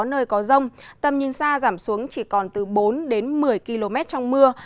nơi có rông tầm nhìn xa giảm xuống chỉ còn từ bốn đến một mươi km trong mưa